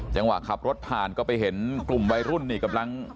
จังหวะขับรถผ่านก็ไปเห็นกลุ่มวัยรุ่นนี่กำลัง